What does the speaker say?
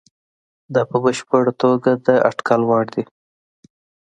دا په بشپړه توګه د اټکل وړ دي.